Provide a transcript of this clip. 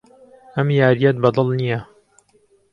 ئەم یارییەت بەدڵ نییە.